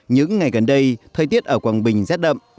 những ngày gần đây thời tiết ở quảng bình rét đậm